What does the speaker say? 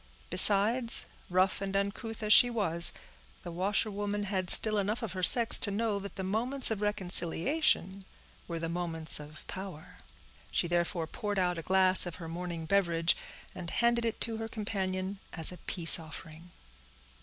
Besides, rough and uncouth as she was, the washerwoman had still enough of her sex to know that the moments of reconciliation were the moments of power. She therefore poured out a glass of her morning beverage, and handed it to her companion as a peace offering.